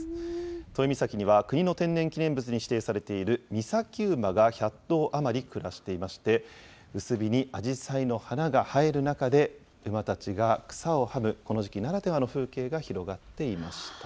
都井岬には、国の天然記念物に指定されている岬馬が１００頭余り暮らしていまして、薄日にアジサイの花が映える中で、馬たちが草をはむ、この時期ならではの風景が広がっていました。